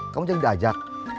kamu jadi diajak